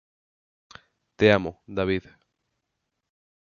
Te amo, David.